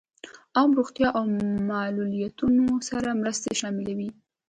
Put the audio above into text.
عام روغتیا او معلولینو سره مرستې شاملې وې.